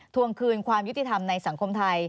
ทวงคืนความยุติธรรมในสังคมไทย